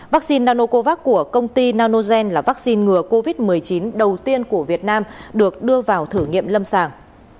vaccine nanocovax của công ty nanogen là vaccine ngừa covid một mươi chín đầu tiên của việt nam được đưa vào thử nghiệm lâm sàng